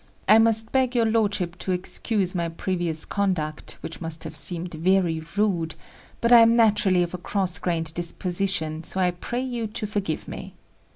I must beg your lordship to excuse my previous conduct, which must have seemed very rude; but I am naturally of a cross grained disposition, so I pray you to forgive me."